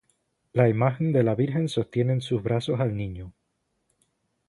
La imagen de la Virgen sostiene en sus brazos al Niño.